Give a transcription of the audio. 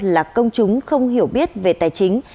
là công chúng không hiểu biết về tài chính